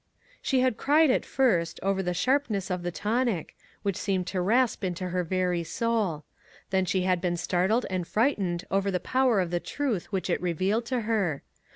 She had cried at first, over the sharpness of the tonic, which seemed to rasp into her very soul. Then she had been startled and frightened over the power of the truth which it revealed to her.